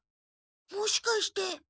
もしかして。